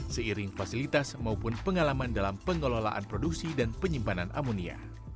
seiring fasilitas maupun pengalaman dalam pengelolaan produksi dan penyimpanan amonia